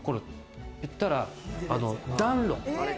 いったら暖炉。